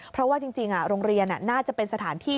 เพราะว่าจริงโรงเรียนน่าจะเป็นสถานที่